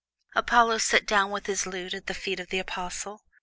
Apollo sat down with his lute at the feet of the Apostle.